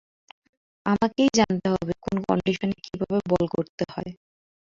আমাকেই জানতে হবে কোন কন্ডিশনে কীভাবে বল করতে হয়।